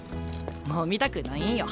もう見たくないんよ。